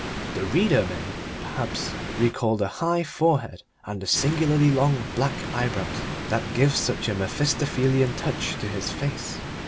The reader may, perhaps, recall the high forehead and the singularly long black eyebrows that give such a Mephistophelian touch to his face.